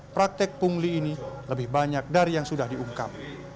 praktek pungli ini lebih banyak dari yang sudah diungkap